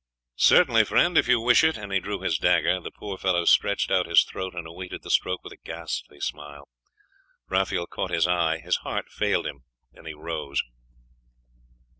'Certainly, friend, if you wish it,' and he drew his dagger. The poor fellow stretched out his throat, and awaited the stroke with a ghastly smile. Raphael caught his eye; his heart failed him, and he rose.